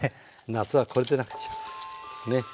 夏はこれでなくっちゃ。ね。